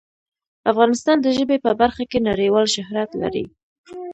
افغانستان د ژبې په برخه کې نړیوال شهرت لري.